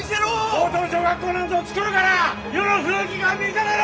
高等女学校なんぞ作るから世の風紀が乱れる！